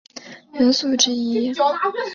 铱是地球地壳中最稀有的元素之一。